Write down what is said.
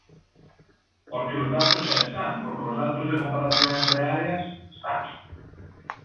Porque os datos xa están, porque os datos de comparación entre áreas están.